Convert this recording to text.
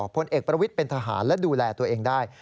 พลเอกประวิทย์เป็นทหารและดูแลตัวเองได้